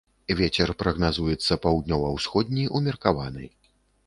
Вецер прагназуецца паўднёва-ўсходні, умеркаваны.